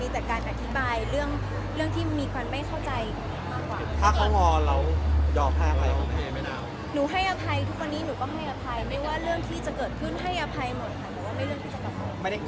แต่การอธิบายเรื่องที่มีควันไม่เข้าใจมากกว่า